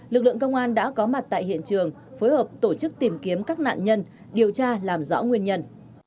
lực lượng công an đã có mặt tại hiện trường phối hợp tổ chức tìm kiếm các nạn nhân điều tra làm rõ nguyên nhân